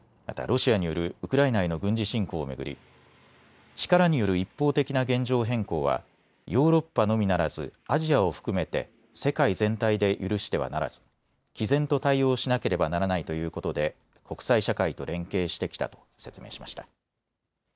またロシアによるウクライナへの軍事侵攻を巡り力による一方的な現状変更はヨーロッパのみならずアジアを含めて世界全体で許してはならずきぜんと対応しなければならないということで国際社会と連携してきたと説明しました。